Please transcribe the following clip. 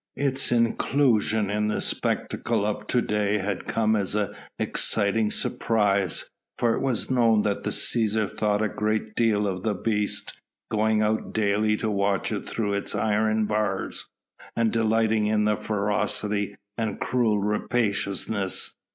Its inclusion in the spectacle of to day had come as an exciting surprise, for it was known that the Cæsar thought a great deal of the beast, going out daily to watch it through its iron bars, and delighting in its ferocity and cruel rapaciousness.